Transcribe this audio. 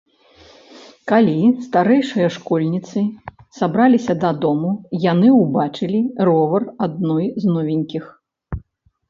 Калі старэйшыя школьніцы сабраліся дадому, яны ўбачылі ровар адной з новенькіх.